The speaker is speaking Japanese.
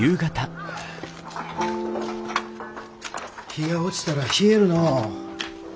日が落ちたら冷えるのう。